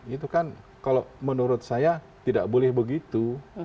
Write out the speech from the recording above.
itu kan kalau menurut saya tidak boleh begitu